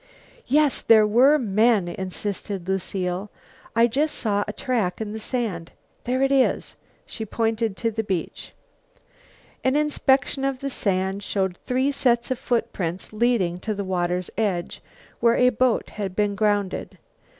"Yes, there were men," insisted Lucile. "I just saw a track in the sand. There it is." She pointed to the beach. An inspection of the sand showed three sets of footprints leading to the water's edge where a boat had been grounded.